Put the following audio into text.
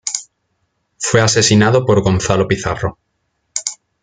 Fue asesinado por Gonzalo Pizarro.